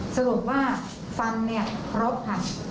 สรุปว่าฟังเนี่ยครบค่ะ